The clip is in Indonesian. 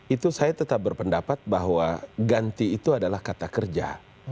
itu saya tetap berpendapat bahwa ganti itu adalah kata kerja